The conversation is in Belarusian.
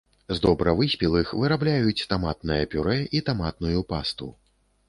З добра выспелых вырабляюць таматнае пюрэ і таматную пасту.